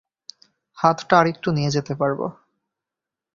হাতটা আরেকটু নিয়ে যেতে পারবো।